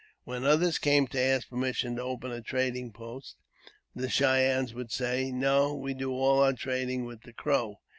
When others came to ask per mission to open a trading post, the Cheyennes would say, " No ; we do all our trading with the Crow.